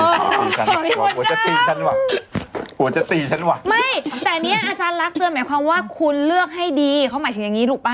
ไม่แต่นี่อาจารย์รักเตือนหมายความว่าคุณเลือกให้ดีเขาหมายถึงอย่างนี้รู้ปะ